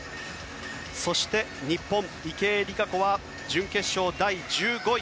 そして日本の池江璃花子は準決勝、第１５位。